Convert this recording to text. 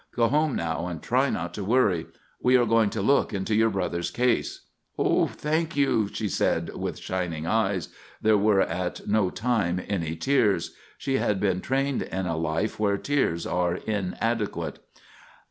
Go home now and try not to worry. We are going to look into your brother's case." "Thank you," she said, with shining eyes. There were at no time any tears. She had been trained in a life where tears are inadequate.